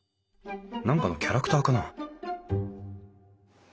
何かのキャラクターかな？